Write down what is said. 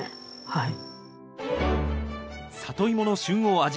はい。